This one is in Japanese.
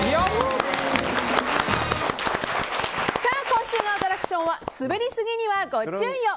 今週のアトラクションは滑りすぎにはご注意を！